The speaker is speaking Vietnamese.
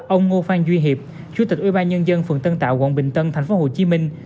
ông ngô phan duy hiệp chủ tịch ubnd phường tân tạo quận bình tân thành phố hồ chí minh